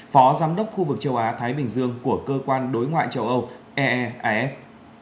phó giám đốc khu vực châu á thái bình dương của cơ quan đối ngoại châu âu eef